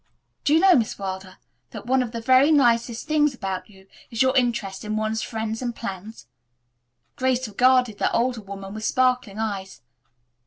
"Do you know, Miss Wilder, that one of the very nicest things about you is your interest in one's friends and plans?" Grace regarded the older woman with sparkling eyes.